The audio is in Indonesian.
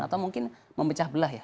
atau mungkin memecah belah ya